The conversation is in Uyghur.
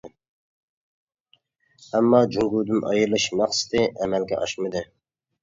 ئەمما جۇڭگودىن ئايرىلىش مەقسىتى ئەمەلگە ئاشمىدى.